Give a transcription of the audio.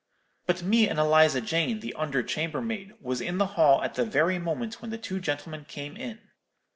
But me and Eliza Jane, the under chambermaid, was in the hall at the very moment when the two gentlemen came in.'